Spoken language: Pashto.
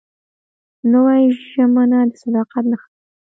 نوې ژمنه د صداقت نښه وي